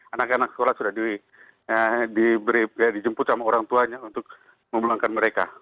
anak anak sekolah sudah dijemput sama orang tuanya untuk memulangkan mereka